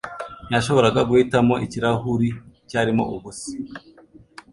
Ntiyashoboraga guhitamo ikirahuri cyarimo ubusa